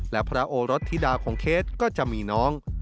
และพระโอรสธิดาของเคสก็จะมีน้อง